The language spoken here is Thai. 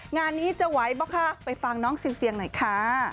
งานนี้จะไหวป่ะคะไปฟังน้องซิมเสียงหน่อยค่ะ